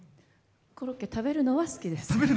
コロッケ食べるのは好きです。